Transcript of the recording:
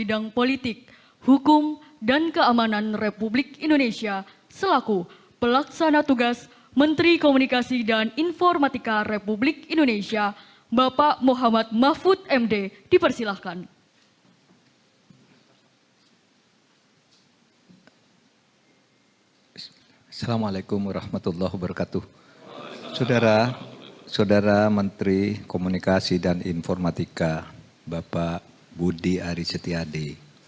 saudara saudara menteri komunikasi dan informatika bapak budi aris yadi